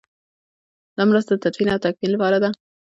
دا مرسته د تدفین او تکفین لپاره ده.